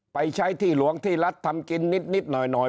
ไปใช้ที่หลวงที่รัฐทำกินนิดหน่อย